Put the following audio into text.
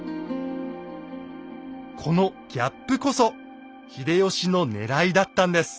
このギャップこそ秀吉のねらいだったんです。